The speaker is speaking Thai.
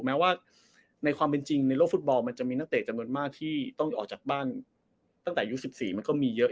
แม้ว่าในความเป็นจริงในโลกฟุตบอลมันจะมีนักเตะจำนวนมากที่ต้องออกจากบ้านตั้งแต่อายุ๑๔มันก็มีเยอะ